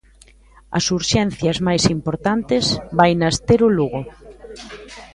As urxencias máis importantes vainas ter o Lugo.